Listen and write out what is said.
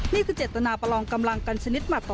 ที่จะไม่ใช่